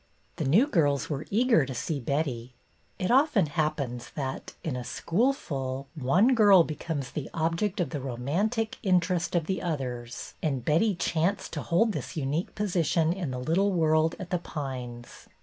The new girls were eager to see Betty. It often happens that, in a school full, one girl be comes the object of the romantic interest of the others, and Betty chanced to hold this unique position in the little world at The Pines.